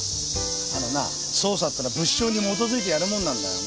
あのな捜査っていうのは物証に基づいてやるもんなんだよ。